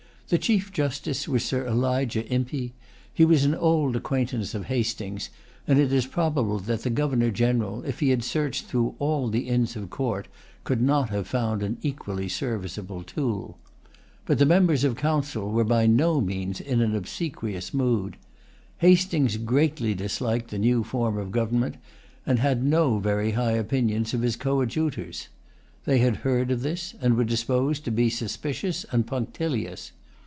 The chief justice was Sir Elijah Impey. He was an old acquaintance of Hastings; and it is probable that the Governor General, if he had searched through all the inns of court, could not have found an equally serviceable tool. But the members of Council were by no means in an obsequious mood. Hastings greatly disliked the new form of government, and had no very high opinion of his coadjutors. They had heard of this, and were disposed to be suspicious and punctilious.